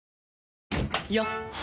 よっ！